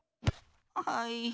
はい。